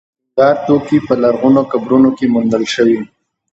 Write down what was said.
د سینګار توکي په لرغونو قبرونو کې موندل شوي